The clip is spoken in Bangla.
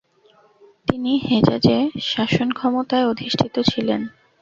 তিনি হেজাজে শাসনক্ষমতায় অধিষ্ঠিত ছিলেন।